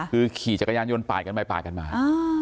คือขี่จักรยานยนต์ปาดกันไปปาดกันมา